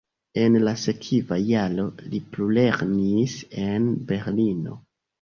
En la sekva jaro li plulernis en Berlino.